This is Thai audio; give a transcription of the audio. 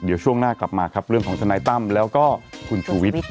เดี๋ยวช่วงหน้ากลับมาครับเรื่องของทนายตั้มแล้วก็คุณชูวิทย์